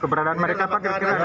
keberadaan mereka apa